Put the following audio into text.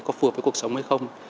có phù hợp với cuộc sống hay không